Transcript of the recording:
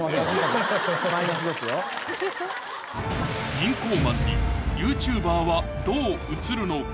銀行マンにＹｏｕＴｕｂｅｒはどう映るのか？